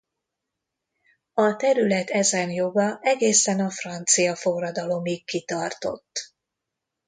A terület ezen joga egészen a Francia forradalomig kitartott.